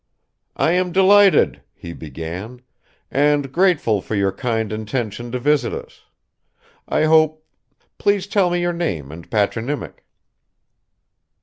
"I am delighted," he began, "and grateful for your kind intention to visit us; I hope please tell me your name and patronymic."